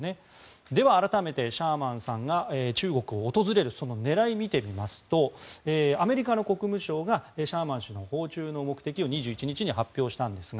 では改めてシャーマンさんが中国を訪れる狙いですがアメリカの国務省がシャーマン氏の訪中の目的を２１日に発表したんですが。